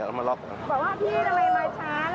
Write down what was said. แล้วไม่ได้อะไรเลย